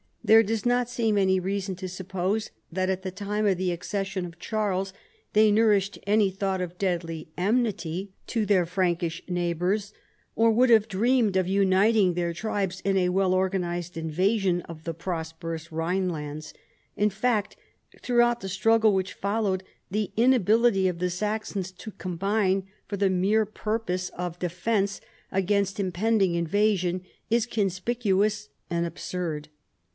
There does not seem any reason to suppose that at the time of the accession of Charles they nourished any thought of deadly enmity to their Frankish neighbors, or would have dreamed of uniting their tribes in a well or ganized invasion of the prosperous Rhine lands — in fact, throughout the struggle which followed, the inability of tlie Saxons to combine for the mere purpose of defence against impending invasion is conspicuous and absurd.